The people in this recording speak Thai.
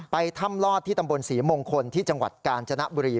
ไปถ้ำลอดที่ตำบลศรีมงคลที่จังหวัดกาญจนบุรี